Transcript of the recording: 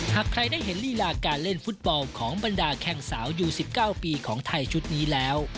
หากใครได้เห็นลีลาการเล่นฟุตบอลของบรรดาแข่งสาวอยู่๑๙ปีของไทยชุดนี้แล้ว